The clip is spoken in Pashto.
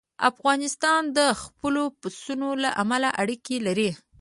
افغانستان د خپلو پسونو له امله اړیکې لري.